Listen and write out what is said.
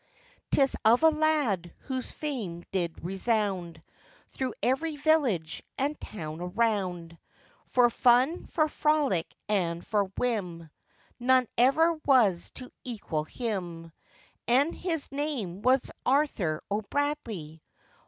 'Tis of a lad whose fame did resound Through every village and town around, For fun, for frolic, and for whim, None ever was to equal him, And his name was Arthur O'Bradley!